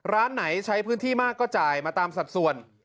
ร้านไหนใช้พื้นที่มากก็จ่ายมาตามสัดส่วน